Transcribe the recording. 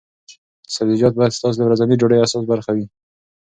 سبزیجات باید ستاسو د ورځنۍ ډوډۍ اساسي برخه وي.